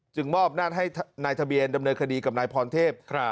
มอบหน้าให้นายทะเบียนดำเนินคดีกับนายพรเทพ